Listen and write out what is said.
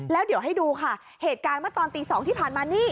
แล้วเดี๋ยวให้ดูค่ะเหตุการณ์เมื่อตอนตี๒ที่ผ่านมานี่